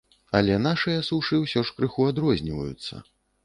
Але нашыя сушы ўсё ж крыху адрозніваюцца.